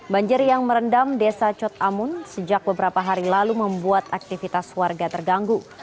banjir yang merendam desa cot amun sejak beberapa hari lalu membuat aktivitas warga terganggu